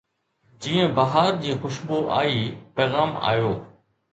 جيئن بهار جي خوشبو آئي، پيغام آيو